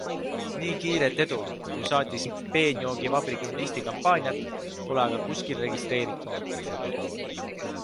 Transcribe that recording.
Nii kiiret edu, kui saatis Peenjoogivabrik Nudisti kampaaniat, pole aga kuskil registreeritud.